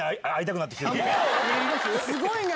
すごいな！